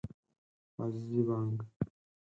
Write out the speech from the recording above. عزیزي بانګ